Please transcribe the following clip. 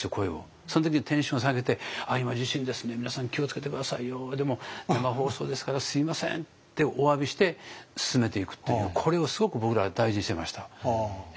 その時にテンション下げて「あっ今地震ですね皆さん気をつけて下さいよでも生放送ですからすみません」っておわびして進めていくというこれをすごく僕らは大事にしてました。